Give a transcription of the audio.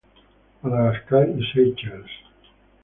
Madagascar y Seychelles.